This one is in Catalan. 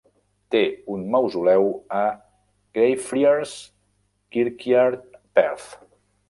Té un mausoleu a Greyfriars Kirkyard, Perth.